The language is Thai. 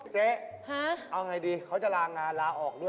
เจ๊เอาไงดีเขาจะลางานลาออกด้วย